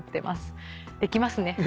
できますね。